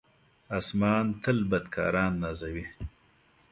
آسمان تل بدکاران نازوي.